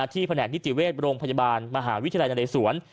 ที่แผนกนิจิเวศโรงพยาบาลมหาวิทยาลัยนาฬิสวน